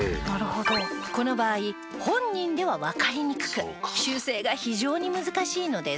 この場合本人ではわかりにくく修正が非常に難しいのです。